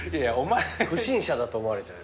不審者だと思われちゃう。